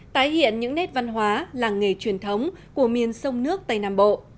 tái hiện những nét văn hóa làng nghề truyền thống của miền sông nước tây nam bộ